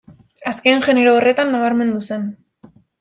Azken genero horretan nabarmendu zen.